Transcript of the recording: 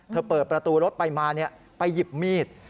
เธอเปิดประตูรถไปมาเนี่ยไปหยิบมีด